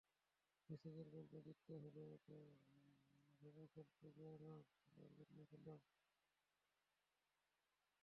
মেসিদের বলব, জিততে হবে এটা ভেবে খেলতে যেয়ো না, খেলার জন্য খেলো।